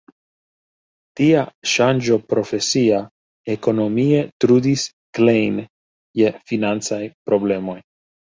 Tia ŝanĝo profesia ekonomie trudis Klein je financaj problemoj.